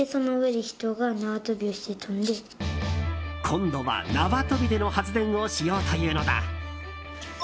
今度は縄跳びでの発電をしようというのだ。